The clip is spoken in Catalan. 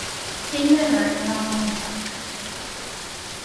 Ella arreglava un sac.